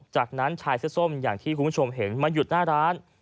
จากนั้นชายเสื้อส้มอย่างที่คุณผู้ชมเห็นมาหยุดหน้าร้าน